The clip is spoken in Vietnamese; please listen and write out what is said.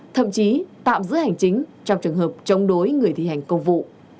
thậm chí tạm giữ hành chính trong trường hợp chống đối người thi hành công vụ